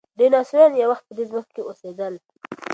ډیناسوران یو وخت په دې ځمکه کې اوسېدل.